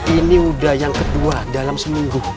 ini udah yang kedua dalam seminggu